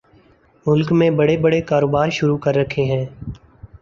ملک میں بڑے بڑے کاروبار شروع کر رکھے ہیں